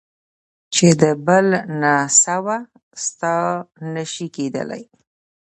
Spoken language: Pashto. چي د بل نه سوه. ستا نه سي کېدلی.